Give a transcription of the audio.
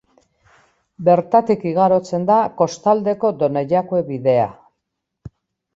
Bertatik igarotzen da Kostaldeko Donejakue bidea.